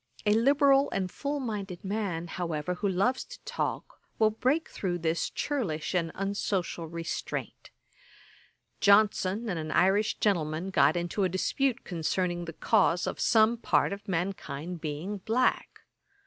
A liberal and full minded man, however, who loves to talk, will break through this churlish and unsocial restraint. Johnson and an Irish gentleman got into a dispute concerning the cause of some part of mankind being black.